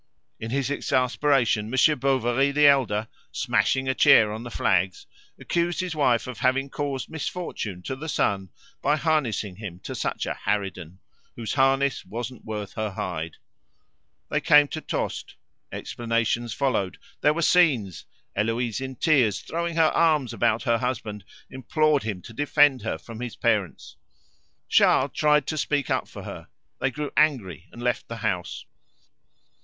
In his exasperation, Monsieur Bovary the elder, smashing a chair on the flags, accused his wife of having caused misfortune to the son by harnessing him to such a harridan, whose harness wasn't worth her hide. They came to Tostes. Explanations followed. There were scenes. Heloise in tears, throwing her arms about her husband, implored him to defend her from his parents. Charles tried to speak up for her. They grew angry and left the house.